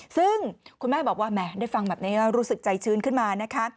ซึ่งคุณแม่บอกว่าแหมได้ฟังแบบนี้ก็รู้สึกใจชื้นขึ้นมานะคะ